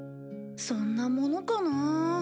そんなものかなあ。